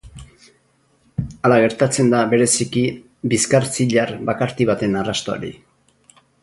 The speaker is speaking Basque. Hala gertatzen da bereziki bizkar-zilar bakarti baten arrastoari.